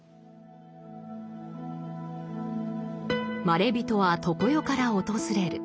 まれびとは常世から訪れる。